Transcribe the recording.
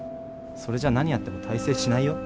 それじゃ何やっても大成しないよ。